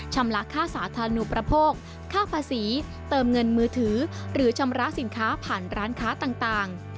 ละค่าสาธารณูประโภคค่าภาษีเติมเงินมือถือหรือชำระสินค้าผ่านร้านค้าต่าง